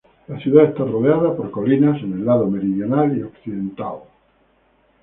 La ciudad está rodeada por colinas en el lado meridional y occidental.